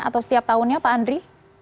atau setiap tahunnya pak andri